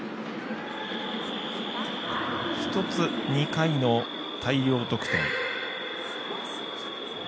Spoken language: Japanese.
一つ、２回の大量得点。